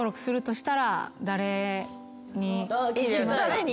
誰に。